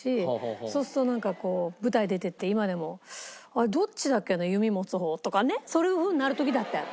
そうするとなんかこう舞台出ていって今でも「あれ？どっちだっけな？弓持つ方」とかねそういう風になる時だってある。